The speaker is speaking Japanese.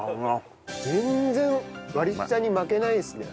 全然割り下に負けないですね。